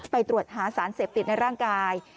ไปตรวจหาสารเสพติดในร่างกาย